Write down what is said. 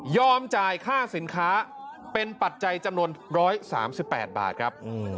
จ่ายค่าสินค้าเป็นปัจจัยจำนวน๑๓๘บาทครับ